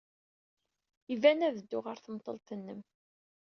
Iban ad dduɣ ɣer temḍelt-nnem.